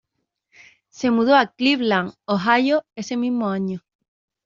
Se mudó a Cleveland, Ohio ese mismo año.